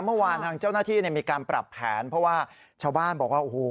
เมื่อวานทางเจ้าหน้าที่เนี่ยมีการปรับแผนเพราะว่าชาวบ้านบอกว่าโอ้โห